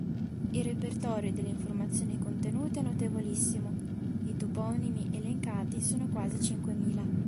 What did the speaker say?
Il repertorio delle informazioni contenute è notevolissimo, i toponimi elencati sono quasi cinquemila.